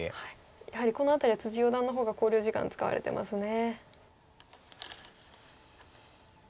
やはりこの辺りは四段の方が考慮時間使われてますね。